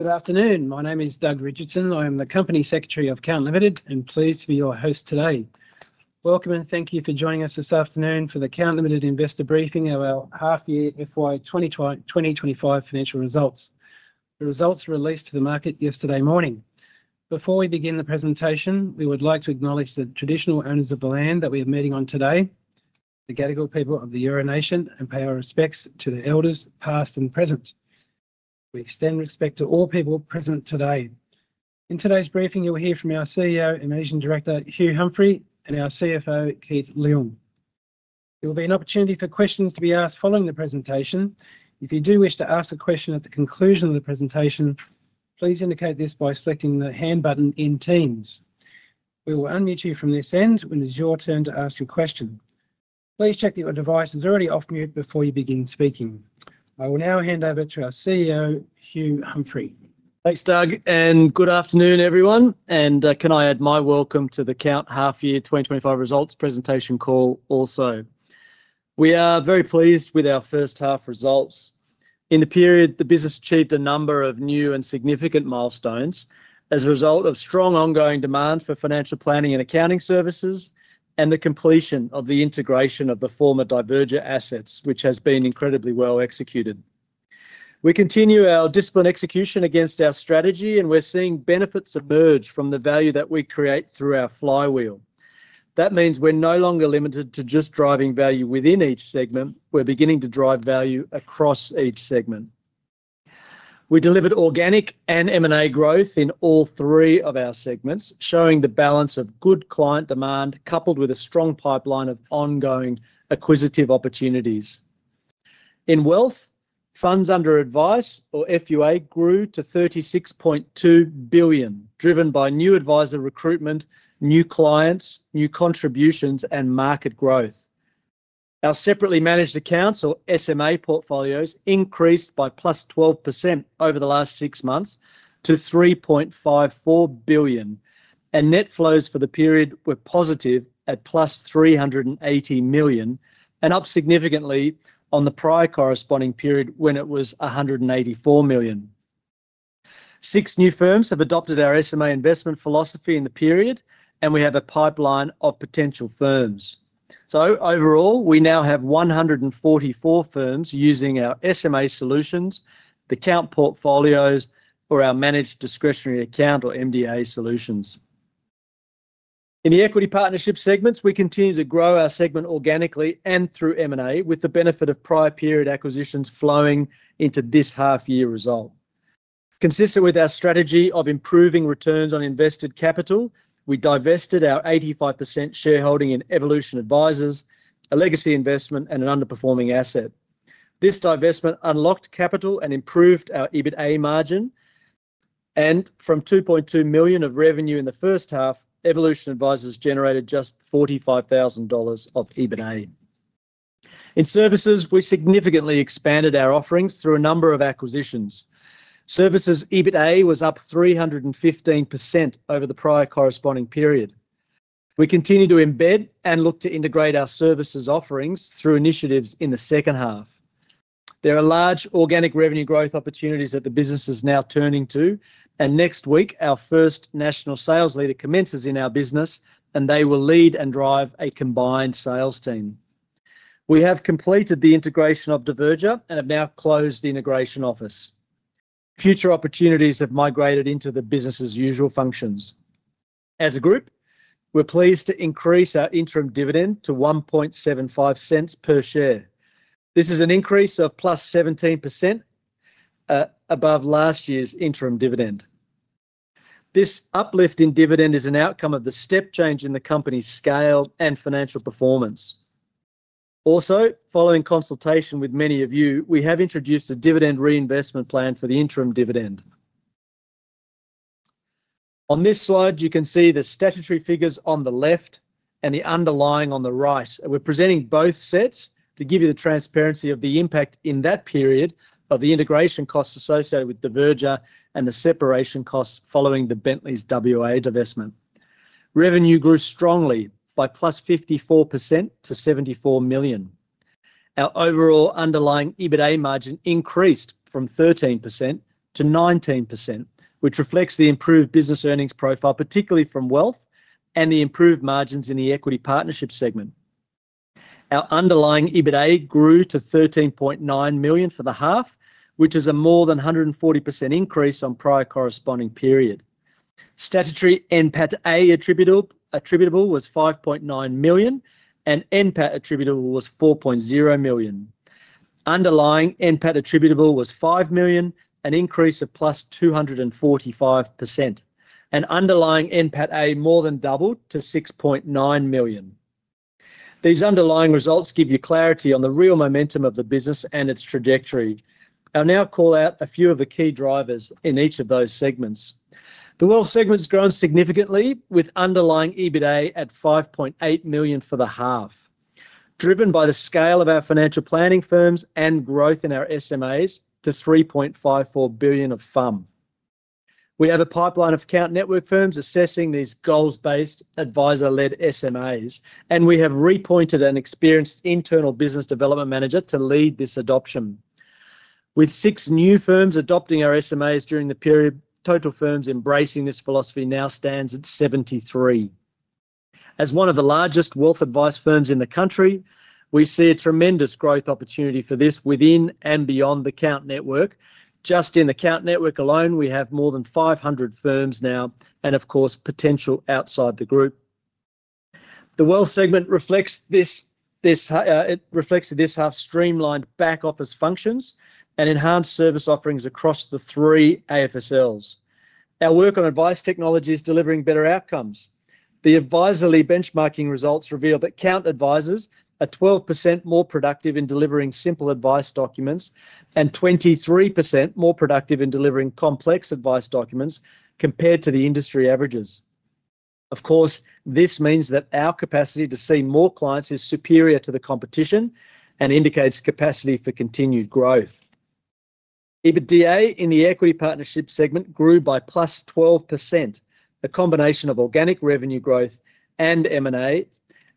Good afternoon. My name is Doug Richardson. I am the Company Secretary of Count Limited and pleased to be your host today. Welcome and thank you for joining us this afternoon for the Count Limited investor briefing of our half-year FY 2025 financial results. The results were released to the market yesterday morning. Before we begin the presentation, we would like to acknowledge the traditional owners of the land that we are meeting on today, the Gadigal people of the Eora Nation, and pay our respects to their elders, past and present. We extend respect to all people present today. In today's briefing, you will hear from our CEO and Managing Director, Hugh Humphrey, and our CFO, Keith Leung. There will be an opportunity for questions to be asked following the presentation. If you do wish to ask a question at the conclusion of the presentation, please indicate this by selecting the hand button in Teams. We will unmute you from this end when it is your turn to ask your question. Please check that your device is already off-mute before you begin speaking. I will now hand over to our CEO, Hugh Humphrey. Thanks, Doug, and good afternoon, everyone. Can I add my welcome to the Count half-year 2025 results presentation call also? We are very pleased with our first half results. In the period, the business achieved a number of new and significant milestones as a result of strong ongoing demand for financial planning and accounting services and the completion of the integration of the former Diverger assets, which has been incredibly well executed. We continue our disciplined execution against our strategy, and we're seeing benefits emerge from the value that we create through our flywheel. That means we're no longer limited to just driving value within each segment. We're beginning to drive value across each segment. We delivered organic and M&A growth in all three of our segments, showing the balance of good client demand coupled with a strong pipeline of ongoing acquisitive opportunities. In wealth, funds under advice, or FUA, grew to 36.2 billion, driven by new advisor recruitment, new clients, new contributions, and market growth. Our separately managed accounts, or SMA portfolios, increased by +12% over the last six months to 3.54 billion, and net flows for the period were positive at +380 million and up significantly on the prior corresponding period when it was 184 million. Six new firms have adopted our SMA investment philosophy in the period, and we have a pipeline of potential firms. Overall, we now have 144 firms using our SMA solutions, the Count portfolios, or our managed discretionary account, or MDA, solutions. In the equity partnership segments, we continue to grow our segment organically and through M&A, with the benefit of prior period acquisitions flowing into this half-year result. Consistent with our strategy of improving returns on invested capital, we divested our 85% shareholding in Evolution Advisers, a legacy investment and an underperforming asset. This divestment unlocked capital and improved our EBITA margin, and from 2.2 million of revenue in the first half, Evolution Advisers generated just 45,000 dollars of EBITA. In services, we significantly expanded our offerings through a number of acquisitions. Services EBITA was up 315% over the prior corresponding period. We continue to embed and look to integrate our services offerings through initiatives in the second half. There are large organic revenue growth opportunities that the business is now turning to, and next week our first national sales leader commences in our business, and they will lead and drive a combined sales team. We have completed the integration of Diverger and have now closed the integration office. Future opportunities have migrated into the business's usual functions. As a group, we're pleased to increase our interim dividend to 1.75 per share. This is an increase of +17% above last year's interim dividend. This uplift in dividend is an outcome of the step change in the company's scale and financial performance. Also, following consultation with many of you, we have introduced a Dividend Reinvestment Plan for the interim dividend. On this slide, you can see the statutory figures on the left and the underlying on the right. We're presenting both sets to give you the transparency of the impact in that period of the integration costs associated with Diverger and the separation costs following the Bentleys WA divestment. Revenue grew strongly by +54% to 74 million. Our overall underlying EBITA margin increased from 13% to 19%, which reflects the improved business earnings profile, particularly from wealth and the improved margins in the equity partnership segment. Our underlying EBITA grew to 13.9 million for the half, which is a more than 140% increase on prior corresponding period. Statutory NPAT attributable was 5.9 million, and NPAT attributable was 4.0 million. Underlying NPAT attributable was 5 million, an increase of plus 245%, and underlying NPAT more than doubled to 6.9 million. These underlying results give you clarity on the real momentum of the business and its trajectory. I'll now call out a few of the key drivers in each of those segments. The wealth segment has grown significantly, with underlying EBITA at 5.8 million for the half, driven by the scale of our financial planning firms and growth in our SMAs to 3.54 billion of FUM. We have a pipeline of Count Network firms assessing these goals-based advisor-led SMAs, and we have repointed an experienced internal business development manager to lead this adoption. With six new firms adopting our SMAs during the period, total firms embracing this philosophy now stands at 73. As one of the largest wealth advice firms in the country, we see a tremendous growth opportunity for this within and beyond the Count Network. Just in the Count Network alone, we have more than 500 firms now and, of course, potential outside the group. The wealth segment reflects this half streamlined back office functions and enhanced service offerings across the three AFSLs. Our work on advice technology is delivering better outcomes. The advisory benchmarking results reveal that Count advisors are 12% more productive in delivering simple advice documents and 23% more productive in delivering complex advice documents compared to the industry averages. Of course, this means that our capacity to see more clients is superior to the competition and indicates capacity for continued growth. EBITA in the equity partnership segment grew by plus 12%, a combination of organic revenue growth and M&A,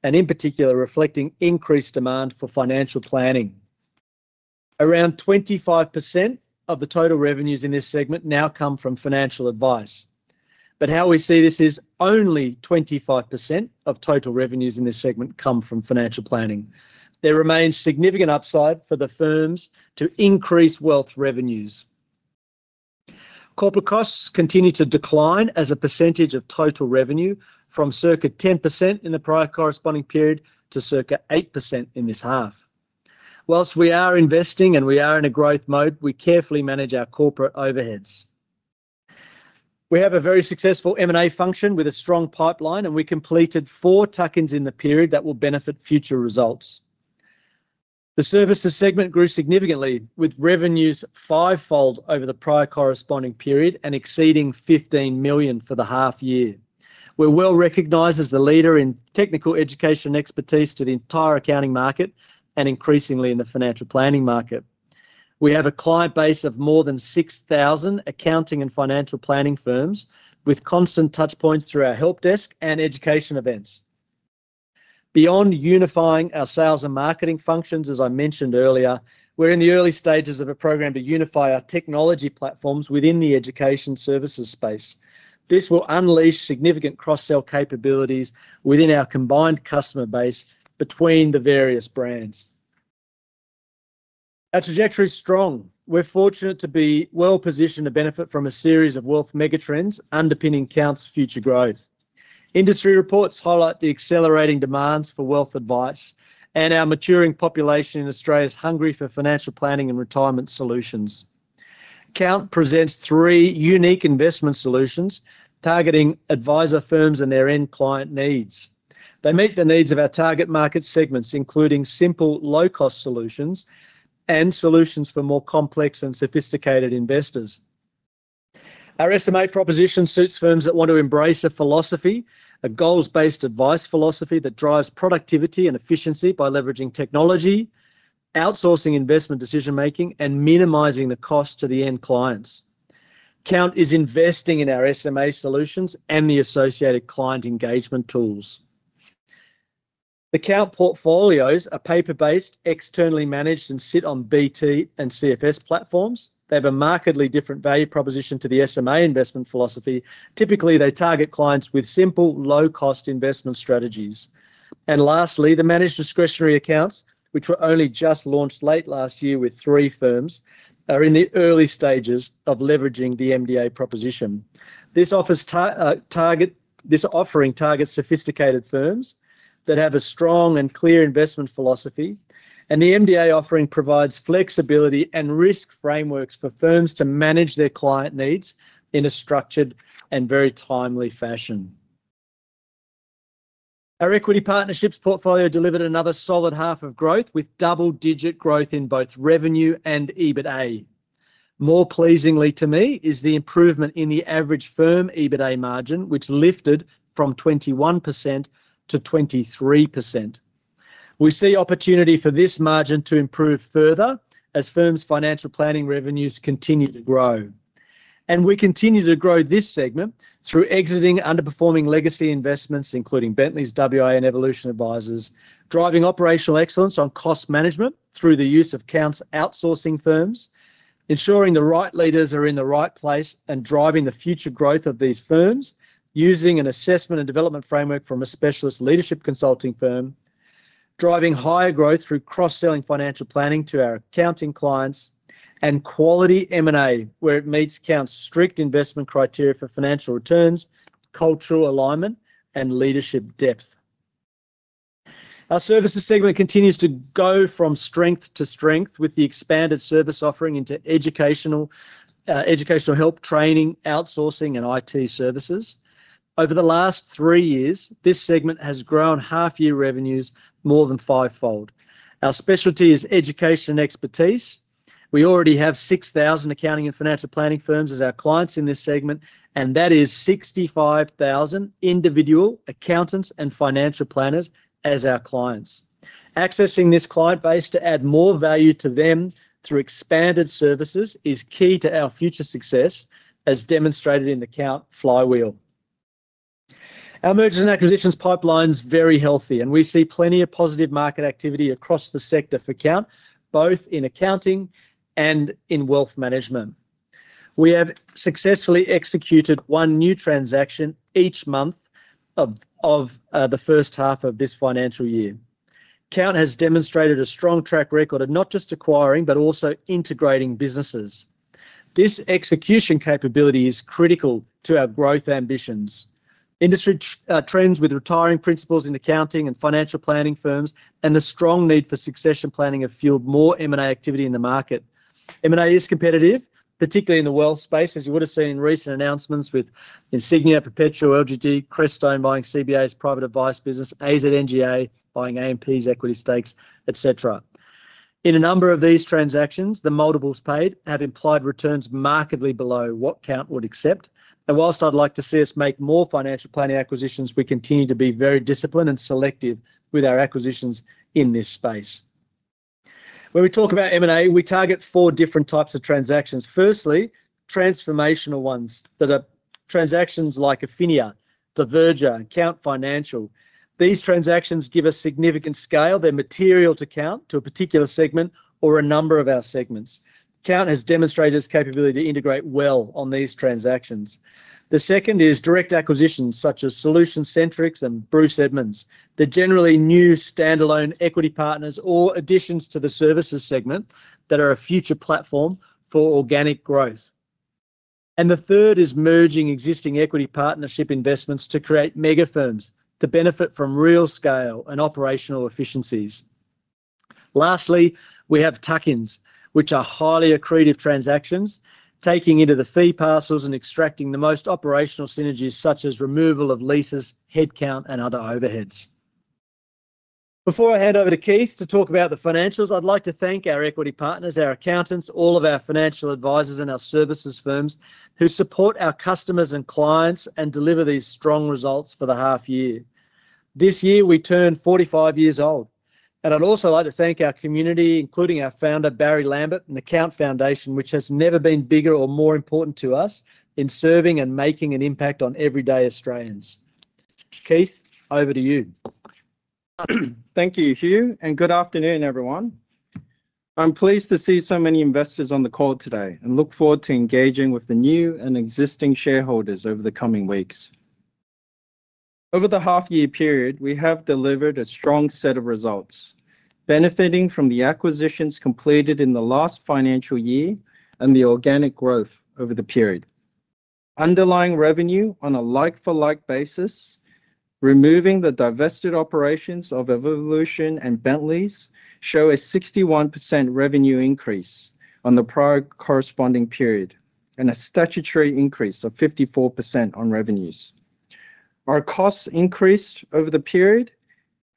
and in particular, reflecting increased demand for financial planning. Around 25% of the total revenues in this segment now come from financial advice. How we see this is only 25% of total revenues in this segment come from financial planning. There remains significant upside for the firms to increase wealth revenues. Corporate costs continue to decline as a percentage of total revenue from circa 10% in the prior corresponding period to circa 8% in this half. Whilst we are investing and we are in a growth mode, we carefully manage our corporate overheads. We have a very successful M&A function with a strong pipeline, and we completed four tuck-ins in the period that will benefit future results. The services segment grew significantly, with revenues fivefold over the prior corresponding period and exceeding 15 million for the half-year. We're well recognized as the leader in technical education expertise to the entire accounting market and increasingly in the financial planning market. We have a client base of more than 6,000 accounting and financial planning firms with constant touchpoints through our help desk and education events. Beyond unifying our sales and marketing functions, as I mentioned earlier, we're in the early stages of a program to unify our technology platforms within the education services space. This will unleash significant cross-sell capabilities within our combined customer base between the various brands. Our trajectory is strong. We're fortunate to be well positioned to benefit from a series of wealth megatrends underpinning Count's future growth. Industry reports highlight the accelerating demands for wealth advice, and our maturing population in Australia is hungry for financial planning and retirement solutions. Count presents three unique investment solutions targeting advisor firms and their end client needs. They meet the needs of our target market segments, including simple low-cost solutions and solutions for more complex and sophisticated investors. Our SMA proposition suits firms that want to embrace a philosophy, a goals-based advice philosophy that drives productivity and efficiency by leveraging technology, outsourcing investment decision-making, and minimising the cost to the end clients. Count is investing in our SMA solutions and the associated client engagement tools. The Count portfolios are paper-based, externally managed, and sit on BT and CFS platforms. They have a markedly different value proposition to the SMA investment philosophy. Typically, they target clients with simple low-cost investment strategies. Lastly, the managed discretionary accounts, which were only just launched late last year with three firms, are in the early stages of leveraging the MDA proposition. This offering targets sophisticated firms that have a strong and clear investment philosophy, and the MDA offering provides flexibility and risk frameworks for firms to manage their client needs in a structured and very timely fashion. Our equity partnerships portfolio delivered another solid half of growth with double-digit growth in both revenue and EBITA. More pleasingly to me is the improvement in the average firm EBITA margin, which lifted from 21%-23%. We see opportunity for this margin to improve further as firms' financial planning revenues continue to grow. We continue to grow this segment through exiting underperforming legacy investments, including Bentleys WA and Evolution Advisers, driving operational excellence on cost management through the use of Count's outsourcing firms, ensuring the right leaders are in the right place, and driving the future growth of these firms using an assessment and development framework from a specialist leadership consulting firm, driving higher growth through cross-selling financial planning to our accounting clients, and quality M&A, where it meets Count's strict investment criteria for financial returns, cultural alignment, and leadership depth. Our services segment continues to go from strength to strength with the expanded service offering into educational help, training, outsourcing, and IT services. Over the last three years, this segment has grown half-year revenues more than fivefold. Our specialty is education and expertise. We already have 6,000 accounting and financial planning firms as our clients in this segment, and that is 65,000 individual accountants and financial planners as our clients. Accessing this client base to add more value to them through expanded services is key to our future success, as demonstrated in the Count flywheel. Our mergers and acquisitions pipeline is very healthy, and we see plenty of positive market activity across the sector for Count, both in accounting and in wealth management. We have successfully executed one new transaction each month of the first half of this financial year. Count has demonstrated a strong track record of not just acquiring, but also integrating businesses. This execution capability is critical to our growth ambitions. Industry trends with retiring principals in accounting and financial planning firms and the strong need for succession planning have fueled more M&A activity in the market. M&A is competitive, particularly in the wealth space, as you would have seen in recent announcements with Insignia, Perpetua, LGD, Crestone buying CBA's private advice business, AZNGA buying AMP's equity stakes, etc. In a number of these transactions, the multiples paid have implied returns markedly below what Count would accept. Whilst I'd like to see us make more financial planning acquisitions, we continue to be very disciplined and selective with our acquisitions in this space. When we talk about M&A, we target four different types of transactions. Firstly, transformational ones that are transactions like Efinia, Diverger, and Count Financial. These transactions give us significant scale. They're material to Count to a particular segment or a number of our segments. Count has demonstrated its capability to integrate well on these transactions. The second is direct acquisitions such as Solution Centrics and Bruce Edmonds. They're generally new standalone equity partners or additions to the services segment that are a future platform for organic growth. The third is merging existing equity partnership investments to create mega firms to benefit from real scale and operational efficiencies. Lastly, we have tuck-ins, which are highly accretive transactions, taking into the fee parcels and extracting the most operational synergies such as removal of leases, headcount, and other overheads. Before I hand over to Keith to talk about the financials, I'd like to thank our equity partners, our accountants, all of our financial advisors, and our services firms who support our customers and clients and deliver these strong results for the half-year. This year, we turned 45 years old. I'd also like to thank our community, including our founder, Barry Lambert, and the Count Foundation, which has never been bigger or more important to us in serving and making an impact on everyday Australians. Keith, over to you. Thank you, Hugh, and good afternoon, everyone. I'm pleased to see so many investors on the call today and look forward to engaging with the new and existing shareholders over the coming weeks. Over the half-year period, we have delivered a strong set of results, benefiting from the acquisitions completed in the last financial year and the organic growth over the period. Underlying revenue on a like-for-like basis, removing the divested operations of Evolution and Bentleys, show a 61% revenue increase on the prior corresponding period and a statutory increase of 54% on revenues. Our costs increased over the period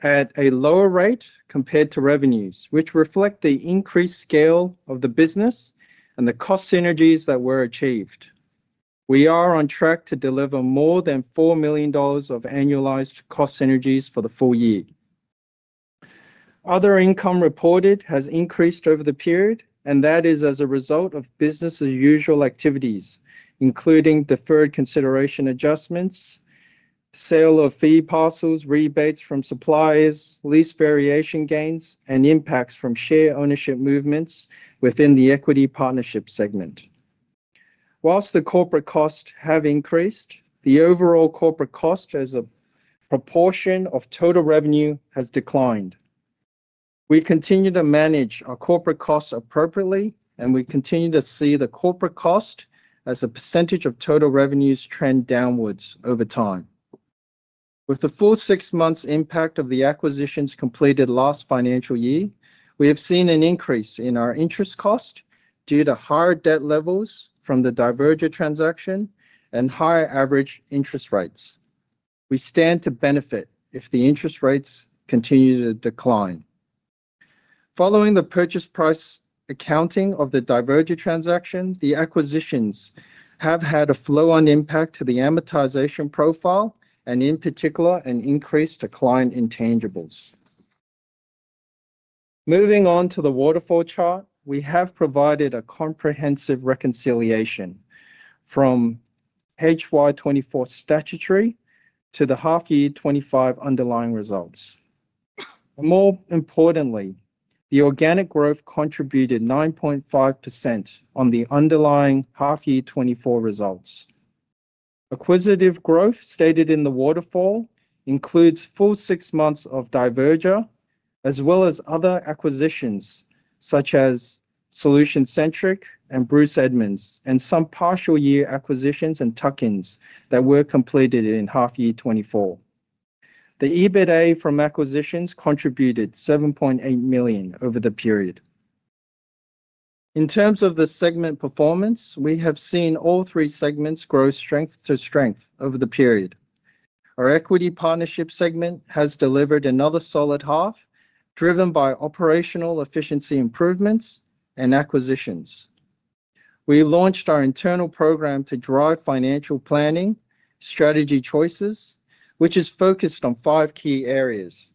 at a lower rate compared to revenues, which reflect the increased scale of the business and the cost synergies that were achieved. We are on track to deliver more than 4 million dollars of annualised cost synergies for the full year. Other income reported has increased over the period, and that is as a result of business-as-usual activities, including deferred consideration adjustments, sale of fee parcels, rebates from suppliers, lease variation gains, and impacts from share ownership movements within the equity partnership segment. Whilst the corporate costs have increased, the overall corporate cost as a proportion of total revenue has declined. We continue to manage our corporate costs appropriately, and we continue to see the corporate cost as a percentage of total revenues trend downwards over time. With the full six months' impact of the acquisitions completed last financial year, we have seen an increase in our interest cost due to higher debt levels from the Diverger transaction and higher average interest rates. We stand to benefit if the interest rates continue to decline. Following the purchase price accounting of the Diverger transaction, the acquisitions have had a flow-on impact to the amortization profile and, in particular, an increase to client intangibles. Moving on to the waterfall chart, we have provided a comprehensive reconciliation from HY24 statutory to the half-year 2025 underlying results. More importantly, the organic growth contributed 9.5% on the underlying half-year 2024 results. Acquisitive growth stated in the waterfall includes full six months of Diverger, as well as other acquisitions such as Solution Centric and Bruce Edmonds, and some partial year acquisitions and tuck-ins that were completed in half-year 2024. The EBITA from acquisitions contributed 7.8 million over the period. In terms of the segment performance, we have seen all three segments grow strength to strength over the period. Our equity partnership segment has delivered another solid half, driven by operational efficiency improvements and acquisitions. We launched our internal program to drive financial planning strategy choices, which is focused on five key areas.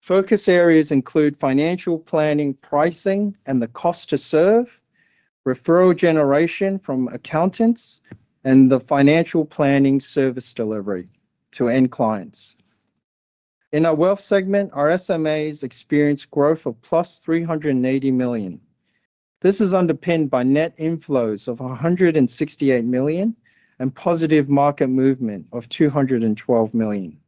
Focus areas include financial planning pricing and the cost to serve, referral generation from accountants, and the financial planning service delivery to end clients. In our wealth segment, our SMAs experienced growth of plus 380 million. This is underpinned by net inflows of 168 million and positive market movement of 212 million.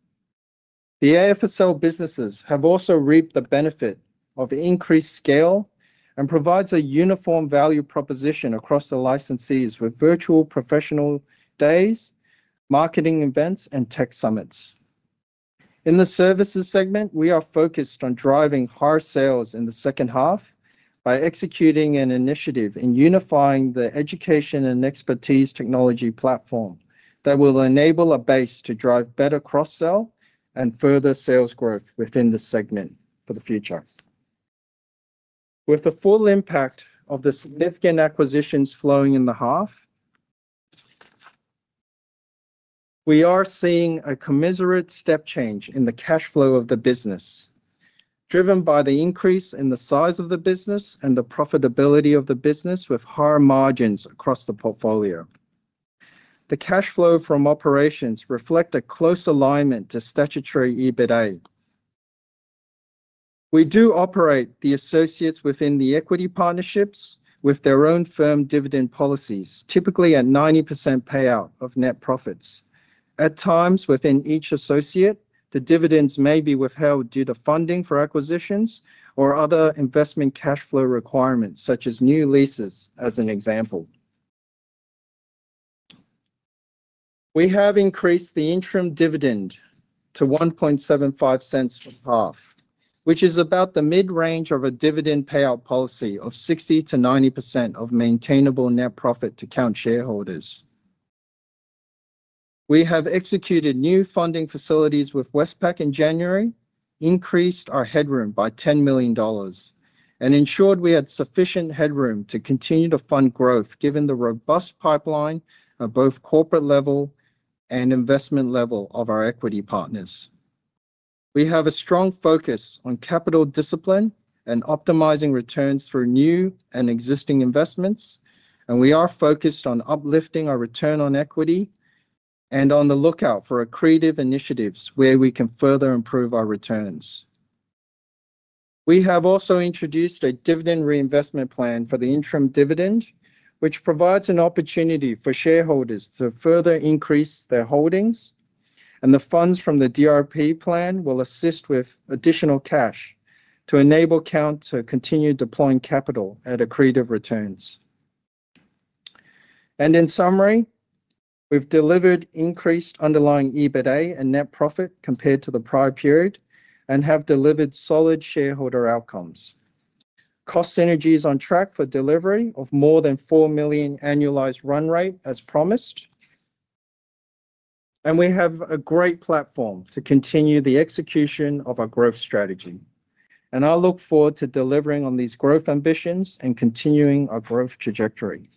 The AFSL businesses have also reaped the benefit of increased scale and provide a uniform value proposition across the licensees with virtual professional days, marketing events, and tech summits. In the services segment, we are focused on driving higher sales in the second half by executing an initiative in unifying the education and expertise technology platform that will enable a base to drive better cross-sell and further sales growth within the segment for the future. With the full impact of the significant acquisitions flowing in the half, we are seeing a commensurate step change in the cash flow of the business, driven by the increase in the size of the business and the profitability of the business with higher margins across the portfolio. The cash flow from operations reflects a close alignment to statutory EBITA. We do operate the associates within the equity partnerships with their own firm dividend policies, typically at 90% payout of net profits. At times within each associate, the dividends may be withheld due to funding for acquisitions or other investment cash flow requirements, such as new leases, as an example. We have increased the interim dividend to 0.0175 for half, which is about the mid-range of a dividend payout policy of 60%-90% of maintainable net profit to Count shareholders. We have executed new funding facilities with Westpac in January, increased our headroom by 10 million dollars, and ensured we had sufficient headroom to continue to fund growth given the robust pipeline of both corporate level and investment level of our equity partners. We have a strong focus on capital discipline and optimizing returns through new and existing investments, and we are focused on uplifting our return on equity and on the lookout for accretive initiatives where we can further improve our returns. We have also introduced a Dividend Reinvestment Plan for the interim dividend, which provides an opportunity for shareholders to further increase their holdings, and the funds from the DRP plan will assist with additional cash to enable Count to continue deploying capital at accretive returns. In summary, we've delivered increased underlying EBITA and net profit compared to the prior period and have delivered solid shareholder outcomes. Cost synergies on track for delivery of more than 4 million annualized run rate as promised, and we have a great platform to continue the execution of our growth strategy. I look forward to delivering on these growth ambitions and continuing our growth trajectory.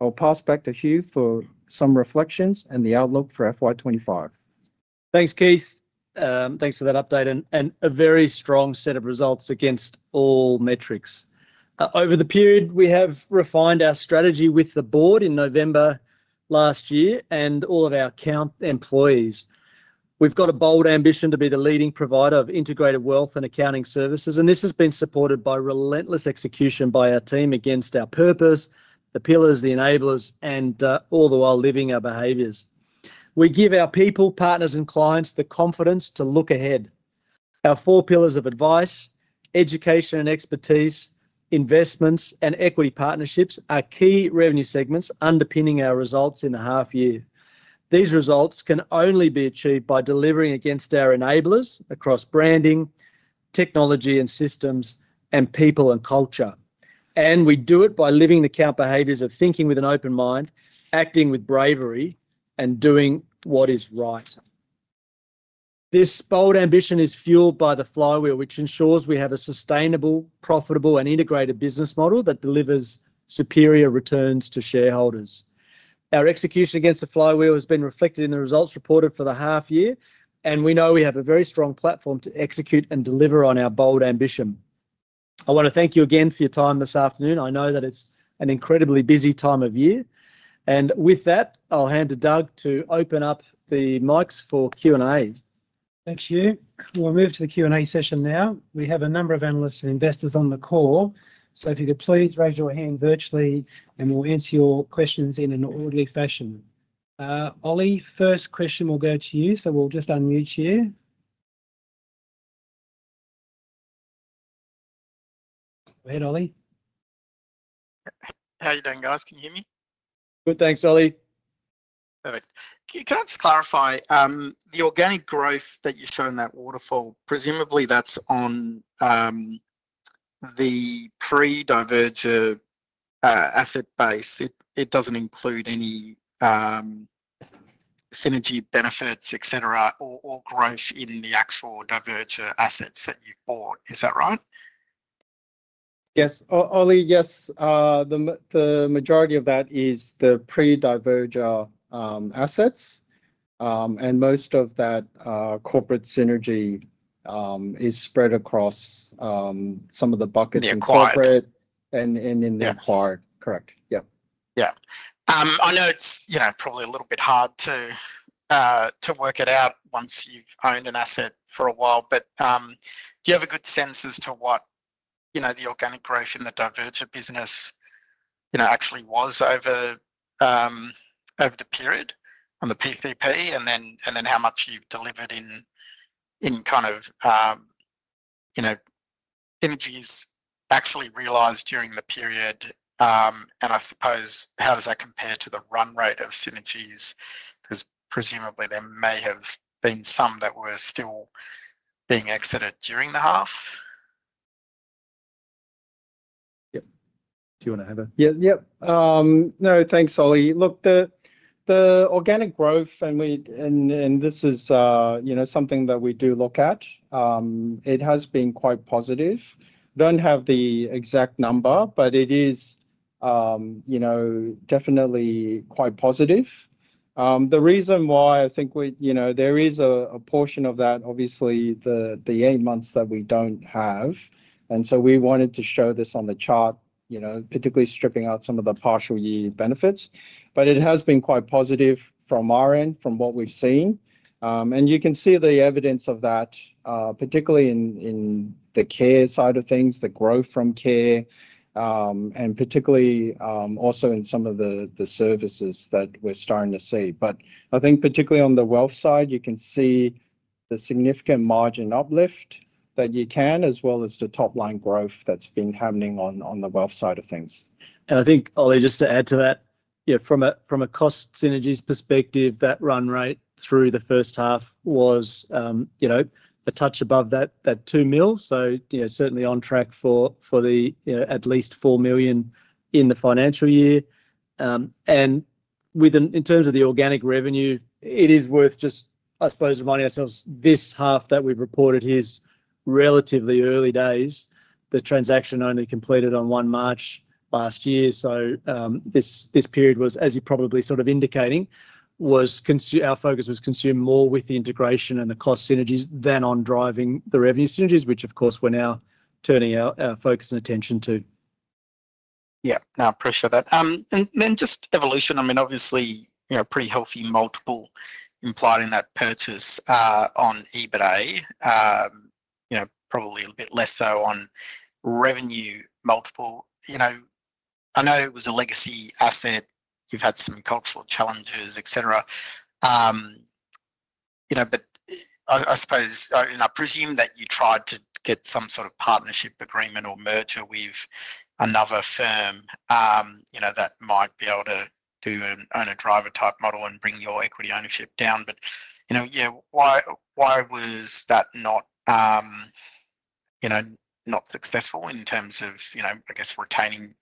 I'll pass back to Hugh for some reflections and the outlook for FY2025. Thanks, Keith. Thanks for that update and a very strong set of results against all metrics. Over the period, we have refined our strategy with the board in November last year and all of our Count employees. We've got a bold ambition to be the leading provider of integrated wealth and accounting services, and this has been supported by relentless execution by our team against our purpose, the pillars, the enablers, and all the while living our behaviours. We give our people, partners, and clients the confidence to look ahead. Our four pillars of advice, education and expertise, investments, and equity partnerships are key revenue segments underpinning our results in the half-year. These results can only be achieved by delivering against our enablers across branding, technology and systems, and people and culture. We do it by living the Count behaviours of thinking with an open mind, acting with bravery, and doing what is right. This bold ambition is fuelled by the flywheel, which ensures we have a sustainable, profitable, and integrated business model that delivers superior returns to shareholders. Our execution against the flywheel has been reflected in the results reported for the half-year, and we know we have a very strong platform to execute and deliver on our bold ambition. I want to thank you again for your time this afternoon. I know that it's an incredibly busy time of year. With that, I'll hand to Doug to open up the mics for Q&A. Thanks, Hugh. We'll move to the Q&A session now. We have a number of analysts and investors on the call, so if you could please raise your hand virtually, and we'll answer your questions in an orderly fashion. Ollie, first question will go to you, so we'll just unmute you. Go ahead, Ollie. How are you doing, guys? Can you hear me? Good, thanks, Ollie. Perfect. Can I just clarify the organic growth that you show in that waterfall? Presumably, that's on the pre-Diverger asset base. It doesn't include any synergy benefits, etc., or growth in the actual Diverger assets that you've bought. Is that right? Yes. Ollie, yes. The majority of that is the pre-Diverger assets, and most of that corporate synergy is spread across some of the buckets in corporate and in the acquired. Correct. Yeah. Yeah. I know it's probably a little bit hard to work it out once you've owned an asset for a while, but do you have a good sense as to what the organic growth in the Diverger business actually was over the period on the PPP and then how much you've delivered in kind of synergies actually realised during the period? I suppose, how does that compare to the run rate of synergies? Because presumably, there may have been some that were still being exited during the half. Yep. Do you want to have a— Yep. No, thanks, Ollie. Look, the organic growth, and this is something that we do look at, it has been quite positive. I do not have the exact number, but it is definitely quite positive. The reason why I think there is a portion of that, obviously, the eight months that we do not have. We wanted to show this on the chart, particularly stripping out some of the partial year benefits. It has been quite positive from our end, from what we have seen. You can see the evidence of that, particularly in the care side of things, the growth from care, and particularly also in some of the services that we're starting to see. I think particularly on the wealth side, you can see the significant margin uplift that you can, as well as the top-line growth that's been happening on the wealth side of things. I think, Ollie, just to add to that, from a cost synergies perspective, that run rate through the first half was a touch above that 2 million. Certainly on track for the at least 4 million in the financial year. In terms of the organic revenue, it is worth just, I suppose, reminding ourselves, this half that we've reported here is relatively early days. The transaction only completed on 1 March last year. This period was, as you probably sort of indicated, our focus was consumed more with the integration and the cost synergies than on driving the revenue synergies, which, of course, we are now turning our focus and attention to. Yeah. No, I appreciate that. And then just Evolution. I mean, obviously, pretty healthy multiple implied in that purchase on EBITDA, probably a bit less so on revenue multiple. I know it was a legacy asset. You have had some cultural challenges, etc. But I suppose, and I presume that you tried to get some sort of partnership agreement or merger with another firm that might be able to do an owner-driver type model and bring your equity ownership down. But yeah, why was that not successful in terms of, I guess, retaining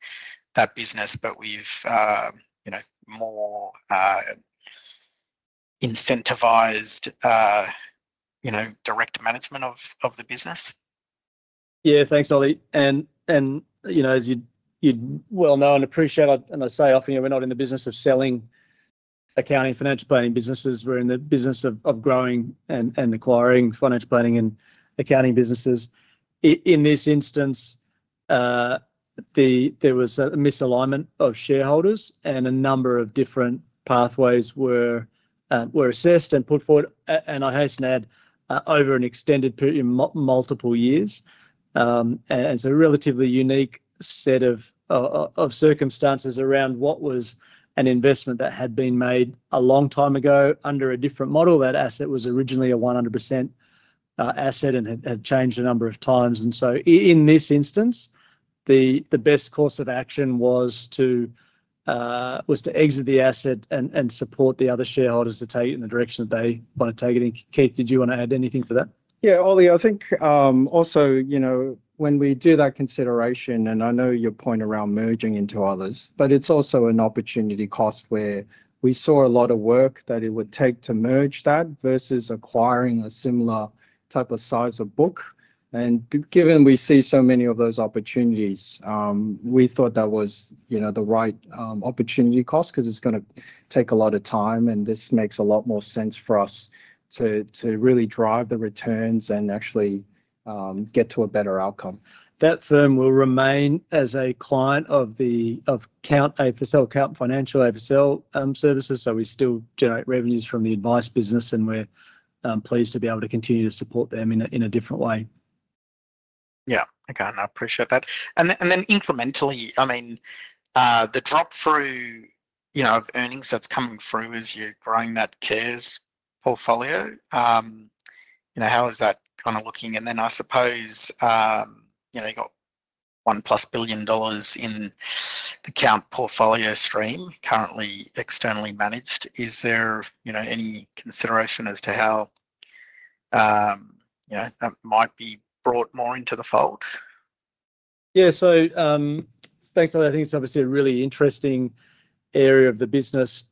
that business, but with more incentivized direct management of the business? Yeah. Thanks, Ollie. As you well know and appreciate, and I say often, we're not in the business of selling accounting, financial planning businesses. We're in the business of growing and acquiring financial planning and accounting businesses. In this instance, there was a misalignment of shareholders, and a number of different pathways were assessed and put forward. I hasten to add, over an extended period of multiple years. It is a relatively unique set of circumstances around what was an investment that had been made a long time ago under a different model. That asset was originally a 100% asset and had changed a number of times. In this instance, the best course of action was to exit the asset and support the other shareholders to take it in the direction that they want to take it in. Keith, did you want to add anything to that? Yeah. Ollie, I think also when we do that consideration, and I know your point around merging into others, but it's also an opportunity cost where we saw a lot of work that it would take to merge that versus acquiring a similar type of size of book. Given we see so many of those opportunities, we thought that was the right opportunity cost because it's going to take a lot of time, and this makes a lot more sense for us to really drive the returns and actually get to a better outcome. That firm will remain as a client of Count AFSL, Count Financial AFSL services. We still generate revenues from the advice business, and we're pleased to be able to continue to support them in a different way. Yeah. Okay. I appreciate that. Then incrementally, I mean, the drop-through of earnings that's coming through as you're growing that CARES portfolio, how is that kind of looking? I suppose you've got 1 billion dollars plus in the Count portfolio stream currently externally managed. Is there any consideration as to how that might be brought more into the fold? Yeah. Thanks, Ollie. I think it's obviously a really interesting area of the business.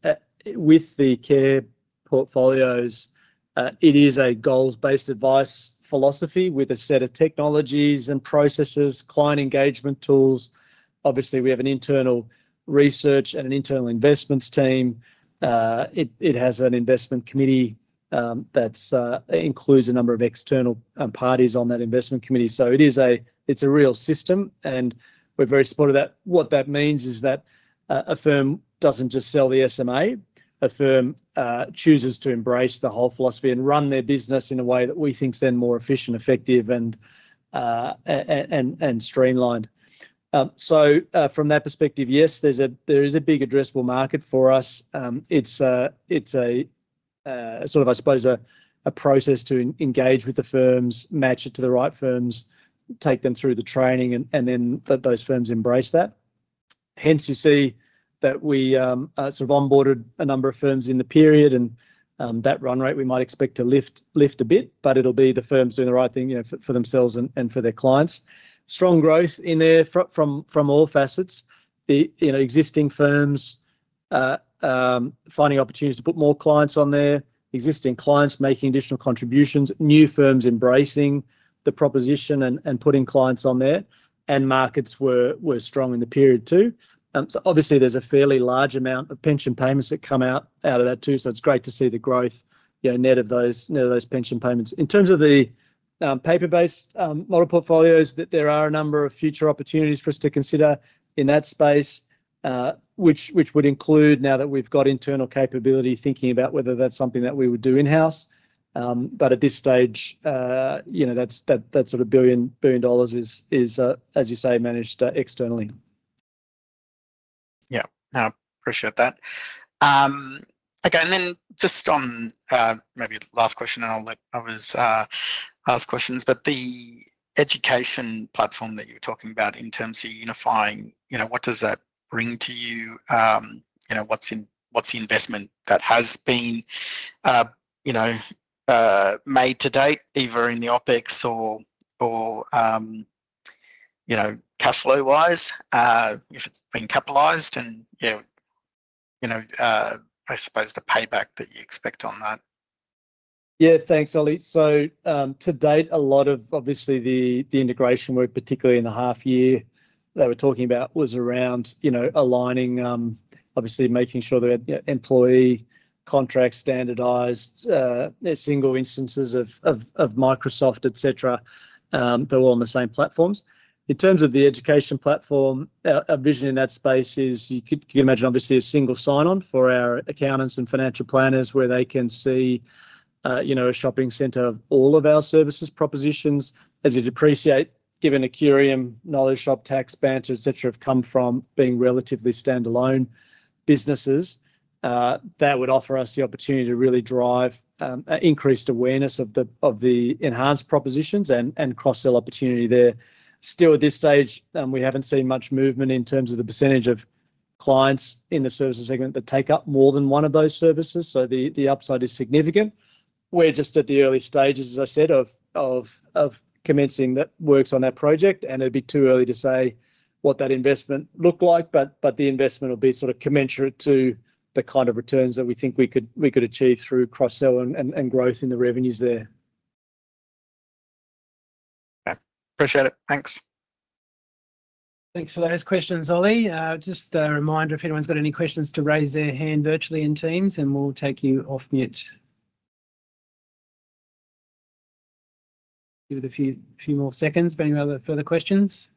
With the CARES portfolios, it is a goals-based advice philosophy with a set of technologies and processes, client engagement tools. Obviously, we have an internal research and an internal investments team. It has an investment committee that includes a number of external parties on that investment committee. It's a real system, and we're very supportive of that. What that means is that a firm doesn't just sell the SMA. A firm chooses to embrace the whole philosophy and run their business in a way that we think is then more efficient, effective, and streamlined. From that perspective, yes, there is a big addressable market for us. It's sort of, I suppose, a process to engage with the firms, match it to the right firms, take them through the training, and then those firms embrace that. Hence, you see that we sort of onboarded a number of firms in the period, and that run rate we might expect to lift a bit, but it'll be the firms doing the right thing for themselves and for their clients. Strong growth in there from all facets. Existing firms finding opportunities to put more clients on there. Existing clients making additional contributions. New firms embracing the proposition and putting clients on there. Markets were strong in the period too. Obviously, there's a fairly large amount of pension payments that come out of that too. It's great to see the growth net of those pension payments. In terms of the paper-based model portfolios, there are a number of future opportunities for us to consider in that space, which would include, now that we've got internal capability, thinking about whether that's something that we would do in-house. At this stage, that sort of billion dollars is, as you say, managed externally. Yeah. I appreciate that. Okay. Maybe last question, and I'll let others ask questions. The education platform that you were talking about in terms of unifying, what does that bring to you? What's the investment that has been made to date, either in the OpEx or cash flow-wise, if it's been capitalized? I suppose the payback that you expect on that. Yeah. Thanks, Ollie. To date, a lot of obviously the integration work, particularly in the half-year that we're talking about, was around aligning, obviously making sure the employee contracts standardized, single instances of Microsoft, etc., they're all on the same platforms. In terms of the education platform, our vision in that space is you can imagine, obviously, a single sign-on for our accountants and financial planners where they can see a shopping center of all of our services propositions. As you'd appreciate, given Accurium, Knowledge Shop, TaxBanter, etc., have come from being relatively standalone businesses, that would offer us the opportunity to really drive increased awareness of the enhanced propositions and cross-sell opportunity there. Still, at this stage, we haven't seen much movement in terms of the percentage of clients in the services segment that take up more than one of those services. The upside is significant. We're just at the early stages, as I said, of commencing that works on that project. It'd be too early to say what that investment looked like, but the investment will be sort of commensurate to the kind of returns that we think we could achieve through cross-sell and growth in the revenues there. Yeah. Appreciate it. Thanks. Thanks for those questions, Ollie. Just a reminder, if anyone's got any questions, to raise their hand virtually in Teams, and we'll take you off mute. Give it a few more seconds. Any other further questions?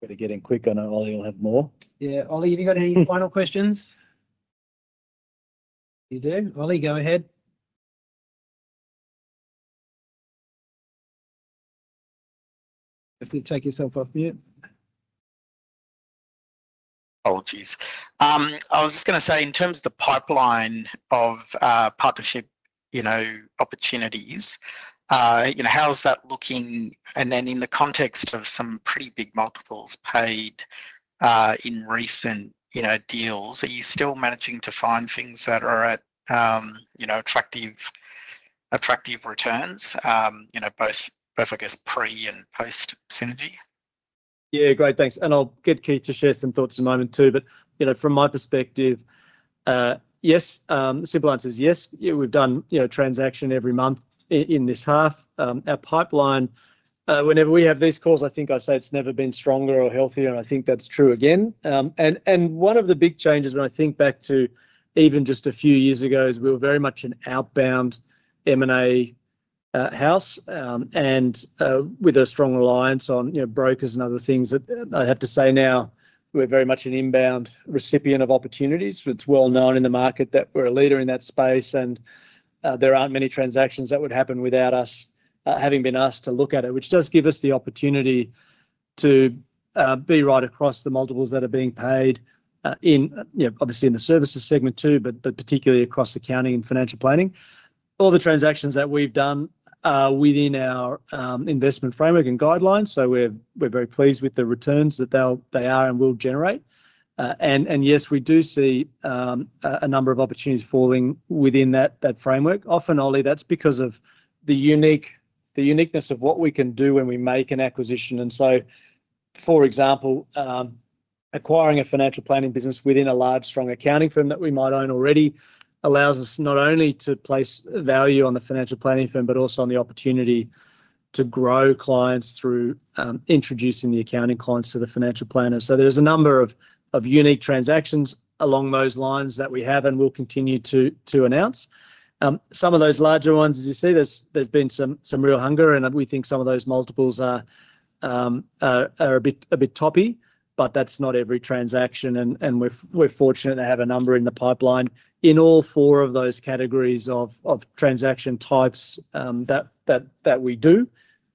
Better getting quick, and Ollie will have more. Yeah. Ollie, have you got any final questions? You do? Ollie, go ahead. Have to take yourself off mute. Apologies. I was just going to say, in terms of the pipeline of partnership opportunities, how's that looking? In the context of some pretty big multiples paid in recent deals, are you still managing to find things that are at attractive returns, both, I guess, pre and post-synergy? Yeah. Great. Thanks. I'll get Keith to share some thoughts in a moment too. From my perspective, yes. The simple answer is yes. We've done transaction every month in this half. Our pipeline, whenever we have these calls, I think I say it's never been stronger or healthier, and I think that's true again. One of the big changes, when I think back to even just a few years ago, is we were very much an outbound M&A house with a strong alliance on brokers and other things. I have to say now we're very much an inbound recipient of opportunities. It's well known in the market that we're a leader in that space, and there aren't many transactions that would happen without us having been asked to look at it, which does give us the opportunity to be right across the multiples that are being paid, obviously in the services segment too, but particularly across accounting and financial planning. All the transactions that we've done are within our investment framework and guidelines. We are very pleased with the returns that they are and will generate. Yes, we do see a number of opportunities falling within that framework. Often, Ollie, that's because of the uniqueness of what we can do when we make an acquisition. For example, acquiring a financial planning business within a large, strong accounting firm that we might own already allows us not only to place value on the financial planning firm, but also on the opportunity to grow clients through introducing the accounting clients to the financial planners. There are a number of unique transactions along those lines that we have and will continue to announce. Some of those larger ones, as you see, there has been some real hunger, and we think some of those multiples are a bit toppy, but that is not every transaction. We are fortunate to have a number in the pipeline in all four of those categories of transaction types that we do.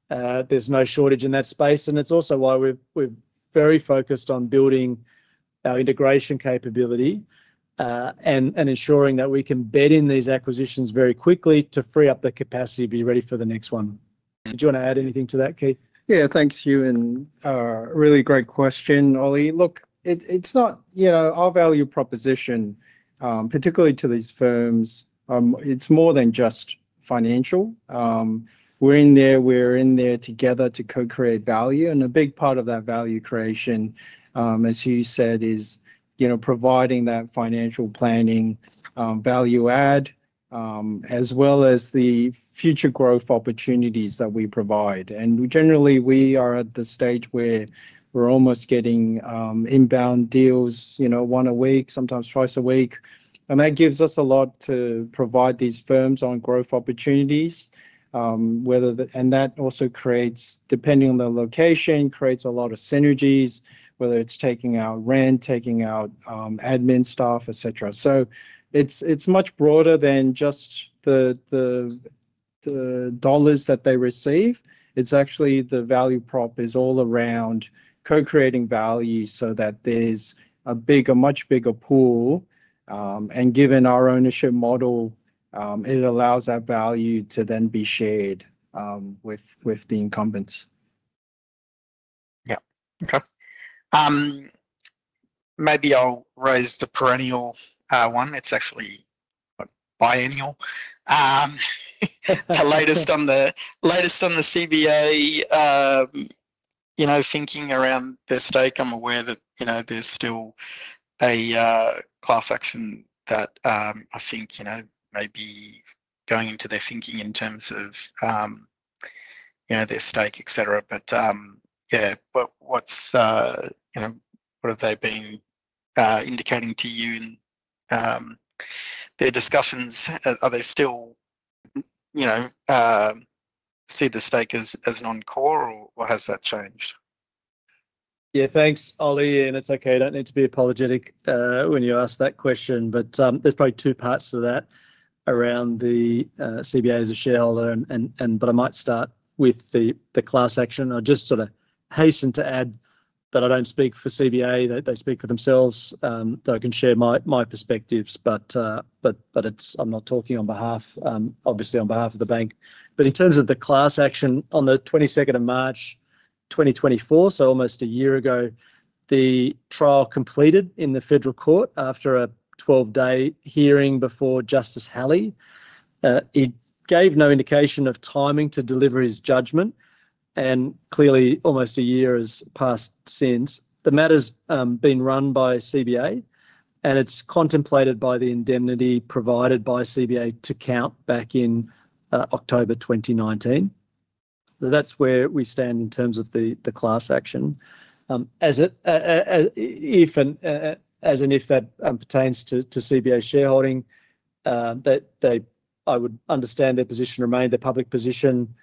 There is no shortage in that space. It is also why we're very focused on building our integration capability and ensuring that we can bed in these acquisitions very quickly to free up the capacity to be ready for the next one. Did you want to add anything to that, Keith? Yeah. Thanks, Hugh, and really great question, Ollie. Look, it's not our value proposition, particularly to these firms. It's more than just financial. We're in there. We're in there together to co-create value. A big part of that value creation, as Hugh said, is providing that financial planning value-add as well as the future growth opportunities that we provide. Generally, we are at the stage where we're almost getting inbound deals one a week, sometimes twice a week. That gives us a lot to provide these firms on growth opportunities. That also creates, depending on the location, a lot of synergies, whether it's taking out rent, taking out admin staff, etc. It is much broader than just the dollars that they receive. Actually, the value prop is all around co-creating value so that there's a much bigger pool. Given our ownership model, it allows that value to then be shared with the incumbents. Yeah. Okay. Maybe I'll raise the perennial one. It's actually biannual. The latest on the CBA thinking around their stake. I'm aware that there's still a class action that I think may be going into their thinking in terms of their stake, etc. Yeah, what have they been indicating to you in their discussions? Do they still see the stake as non-core, or has that changed? Yeah. Thanks, Ollie. It's okay. I don't need to be apologetic when you ask that question. There's probably two parts to that around the CBA as a shareholder. I might start with the class action. I just sort of hasten to add that I don't speak for CBA. They speak for themselves. I can share my perspectives, but I'm not talking on behalf, obviously on behalf of the bank. In terms of the class action on the 22nd of March 2024, so almost a year ago, the trial completed in the Federal Court after a 12-day hearing before Justice Halley. He gave no indication of timing to deliver his judgment. Clearly, almost a year has passed since. The matter's been run by CBA, and it's contemplated by the indemnity provided by CBA to Count back in October 2019. That's where we stand in terms of the class action. As an if that pertains to CBA shareholding, I would understand their position remain. Their public position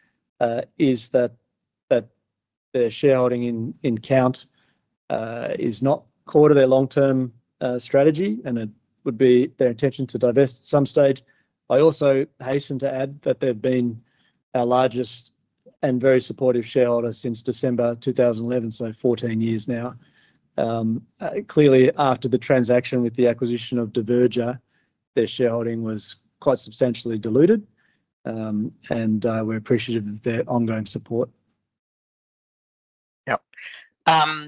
is that their shareholding in Count is not core to their long-term strategy, and it would be their intention to divest at some stage. I also hasten to add that they've been our largest and very supportive shareholder since December 2011, so 14 years now. Clearly, after the transaction with the acquisition of Diverger, their shareholding was quite substantially diluted, and we're appreciative of their ongoing support. Yeah.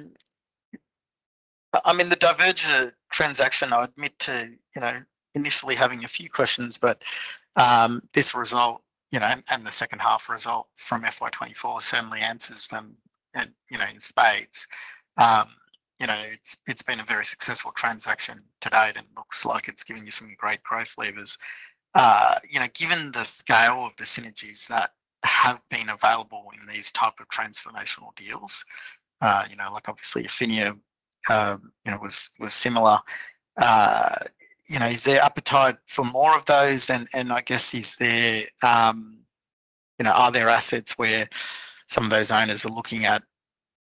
I mean, the Diverger transaction, I'll admit to initially having a few questions, but this result and the second half result from FY2024 certainly answers them in spades. It's been a very successful transaction to date, and it looks like it's given you some great growth levers. Given the scale of the synergies that have been available in these type of transformational deals, like obviously Efinia was similar, is there appetite for more of those? I guess, are there assets where some of those owners are looking at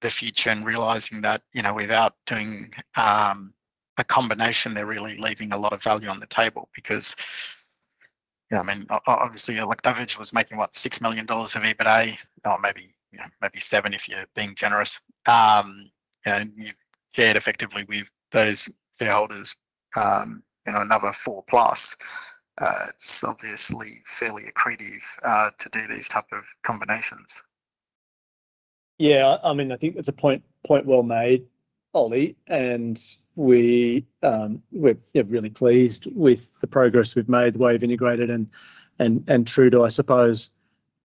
the future and realizing that without doing a combination, they're really leaving a lot of value on the table? Because, I mean, obviously, Diverger was making, what, 6 million dollars of EBITDA? Or maybe seven if you're being generous. You've shared effectively with those shareholders another four-plus. It's obviously fairly accretive to do these type of combinations. Yeah. I mean, I think that's a point well made, Ollie. We're really pleased with the progress we've made, the way we've integrated. True to, I suppose,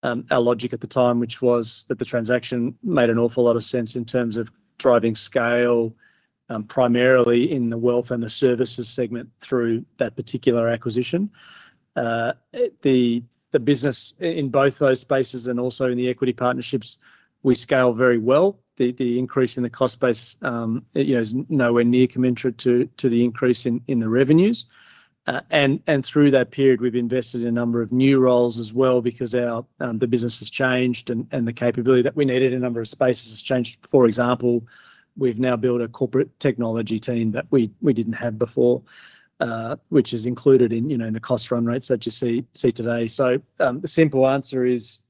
our logic at the time, which was that the transaction made an awful lot of sense in terms of driving scale, primarily in the wealth and the services segment through that particular acquisition. The business in both those spaces and also in the equity partnerships, we scale very well. The increase in the cost base is nowhere near commensurate to the increase in the revenues. Through that period, we've invested in a number of new roles as well because the business has changed and the capability that we needed in a number of spaces has changed. For example, we've now built a corporate technology team that we did not have before, which is included in the cost run rates that you see today. The simple answer is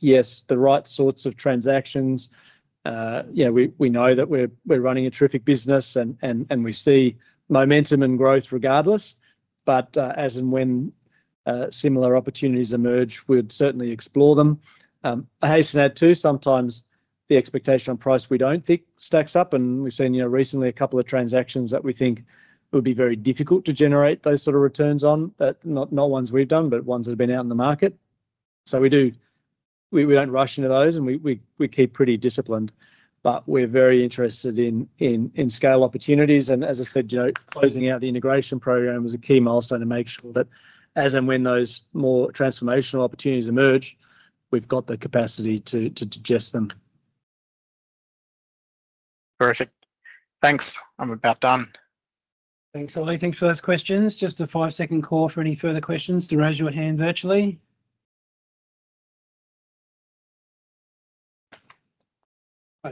yes, the right sorts of transactions. We know that we're running a terrific business, and we see momentum and growth regardless. As and when similar opportunities emerge, we'd certainly explore them. I hasten to add too, sometimes the expectation on price we don't think stacks up. We've seen recently a couple of transactions that we think would be very difficult to generate those sort of returns on, not ones we've done, but ones that have been out in the market. We don't rush into those, and we keep pretty disciplined. We're very interested in scale opportunities. As I said, closing out the integration program was a key milestone to make sure that as and when those more transformational opportunities emerge, we've got the capacity to digest them. Terrific. Thanks. I'm about done. Thanks, Ollie. Thanks for those questions. Just a five-second call for any further questions to raise your hand virtually.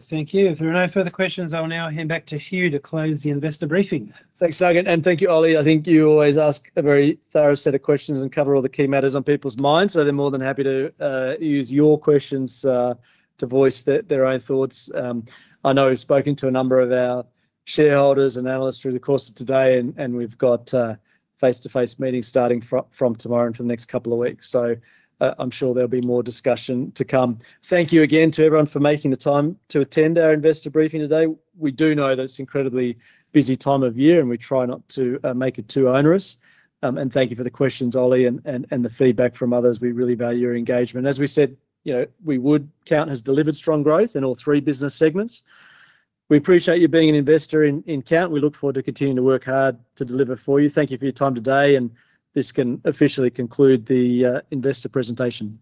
Thank you. If there are no further questions, I'll now hand back to Hugh to close the investor briefing. Thanks, Doug. Thank you, Ollie. I think you always ask a very thorough set of questions and cover all the key matters on people's minds. They are more than happy to use your questions to voice their own thoughts. I know we've spoken to a number of our shareholders and analysts through the course of today, and we've got face-to-face meetings starting from tomorrow and for the next couple of weeks. I am sure there will be more discussion to come. Thank you again to everyone for making the time to attend our investor briefing today. We do know that it's an incredibly busy time of year, and we try not to make it too onerous. Thank you for the questions, Ollie, and the feedback from others. We really value your engagement. As we said, we at Count have delivered strong growth in all three business segments. We appreciate you being an investor in Count. We look forward to continuing to work hard to deliver for you. Thank you for your time today. This can officially conclude the investor presentation.